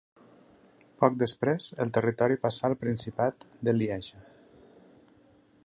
Poc després, el territori passà al principat de Lieja.